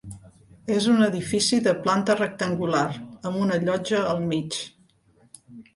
És un edifici de planta rectangular, amb una llotja al mig.